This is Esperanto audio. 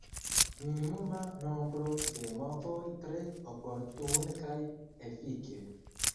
Minimuma nombro de movoj – tre oportune kaj efike.